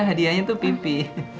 hadiahnya tuh pipi